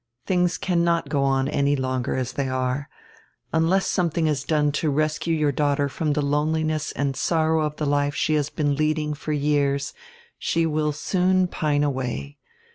Things cannot go on any longer as they are. Unless something is done to rescue your daughter from die loneliness and sorrow of die life she has heen leading for years she will soon pine away.